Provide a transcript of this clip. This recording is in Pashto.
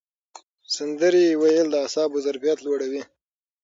سندرې ویل د اعصابو ظرفیت لوړوي.